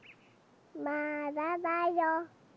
まだだよ！